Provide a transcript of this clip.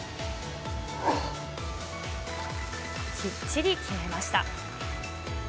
きっちり決めました。